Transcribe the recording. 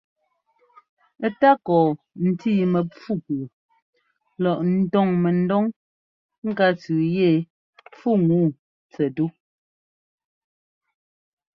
Takɔ ntíi mɛfú pʉɔ lɔ ńtɔ́ŋ mɛdɔŋ ŋká tsʉʉ yɛ pfúŋu tsɛttu.